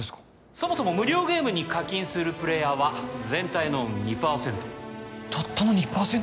そもそも無料ゲームに課金するプレイヤーは全体の２％たったの２％？